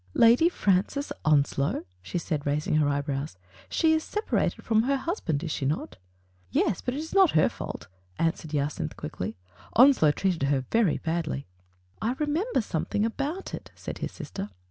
"Lady Francis Onslow?" she said, raising her eyebrows. "She is separated from her husband, is she not?" "Yes, but it is not her fault," answered Jacynth quickly. "Onslow treated her very badly." "I remember something about it," said his sis ter.